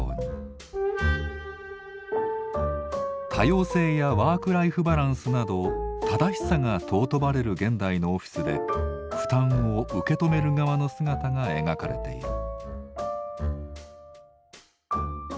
多様性やワークライフバランスなど「正しさ」が尊ばれる現代のオフィスで負担を受け止める側の姿が描かれている。